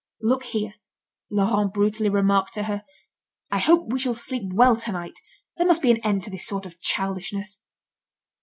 "Look here," Laurent brutally remarked to her, "I hope we shall sleep well to night! There must be an end to this sort of childishness."